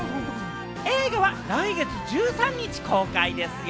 映画は来月１３日公開ですよ。